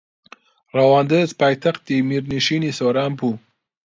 ڕەواندز پایتەختی میرنشینی سۆران بوو